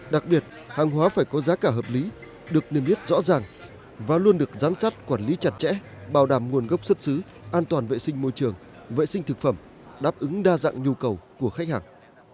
đặc biệt hàng hóa phải có giá cả hợp lý được niềm biết rõ ràng và luôn được giám sát quản lý chặt chẽ bảo đảm nguồn gốc xuất xứ an toàn vệ sinh môi trường vệ sinh thực phẩm đáp ứng đa dạng nhu cầu của khách hàng